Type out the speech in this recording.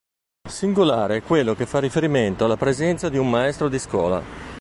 Singolare è quello che fa riferimento alla presenza di un maestro di scola.